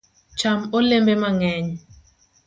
Cham olembe mang’eny